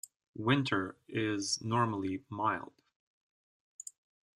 Winter is normally mild.